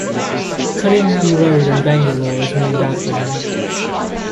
Cunningham road in Bangalore is named after him.